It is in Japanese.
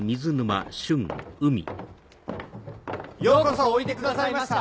ようこそおいでくださいました！